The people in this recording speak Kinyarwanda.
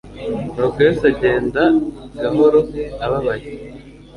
Nuko Yesu agenda gahoro ababaye.